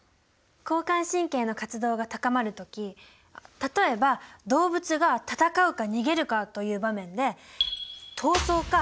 交感神経の活動が高まるとき例えば動物が闘うか逃げるかという場面で闘争か